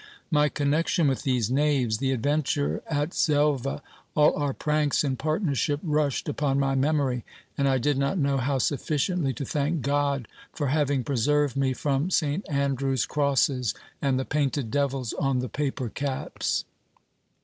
My connection with these knaves, the adventure at Xelva, all our pranks in partnership rushed upon my memory, and I did not know how sufficiently to thank God for having preserved me from St Andrew's crosses and the painted devils on the paper caps.